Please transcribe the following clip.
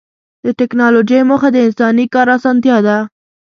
د ټکنالوجۍ موخه د انساني کار اسانتیا ده.